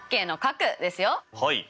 はい。